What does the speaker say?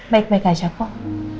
baik baik aja kok